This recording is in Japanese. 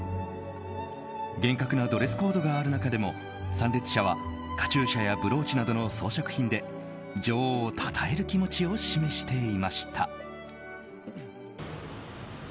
厳格なドレスコードがある中でも参列者はカチューシャやブローチなどの装飾品で女王をたたえる気持ちを示していました。